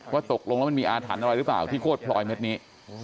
ตกลงแล้วมันมีอาถรรพ์อะไรหรือเปล่าที่โคตรพลอยเม็ดนี้